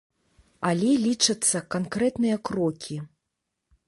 Але лічацца канкрэтныя крокі.